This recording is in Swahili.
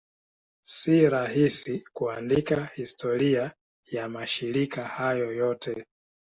Si rahisi kuandika historia ya mashirika hayo yote.